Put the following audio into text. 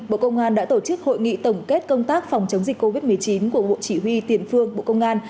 bộ công an đã tổ chức hội nghị tổng kết công tác phòng chống dịch covid một mươi chín của bộ chỉ huy tiền phương bộ công an